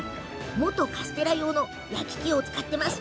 もとカステラ用の焼き機使っています。